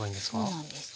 そうなんです。